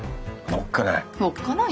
いやおっかない。